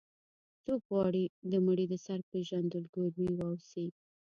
څوک غواړي د مړي د سر پېژندګلوي واوسي.